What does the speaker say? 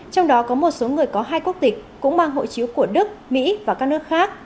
trong đó có một số người có hai quốc tịch cũng mang hội chiếu của đức mỹ và canada